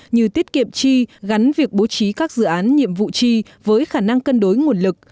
như tiết kiệm chi gắn việc bố trí các dự án nhiệm vụ chi với khả năng cân đối nguồn lực